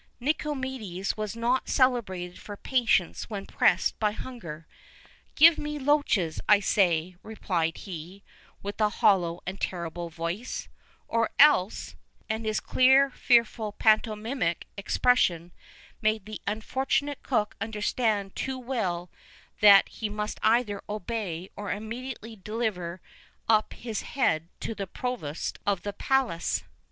[V 35] Nicomedes was not celebrated for patience when pressed by hunger. "Give me loaches, I say," replied he, with a hollow and terrible voice; "or else " and his clear, fearful, pantomimic expression made the unfortunate cook understand too well that he must either obey or immediately deliver up his head to the provost of the palace.